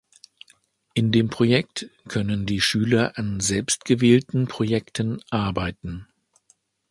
In dem Projekt können die Schüler an selbstgewählten Projekten arbeiten.